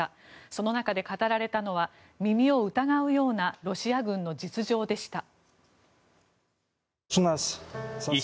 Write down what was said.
その中で語られたのは耳を疑うようなロシア軍の実情でした。